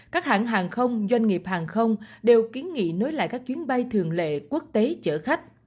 các hãng hàng không doanh nghiệp hàng không đều kiến nghị nối lại các chuyến bay thường lệ quốc tế chở khách